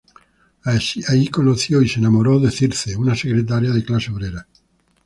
Ahí, conoció y se enamoró de Circe, una secretaria de clase obrera.